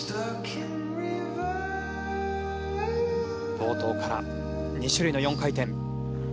冒頭から２種類の４回転。